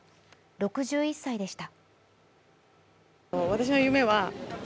６１歳でした。